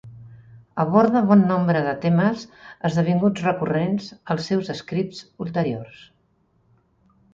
Aborda bon nombre de temes esdevinguts recurrents als seus scripts ulteriors.